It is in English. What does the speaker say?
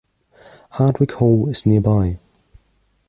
Hardwick Hall is nearby.